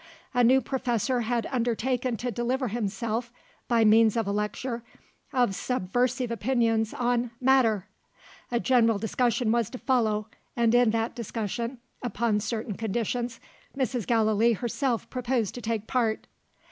A new Professor had undertaken to deliver himself, by means of a lecture, of subversive opinions on "Matter." A general discussion was to follow; and in that discussion (upon certain conditions) Mrs. Gallilee herself proposed to take part.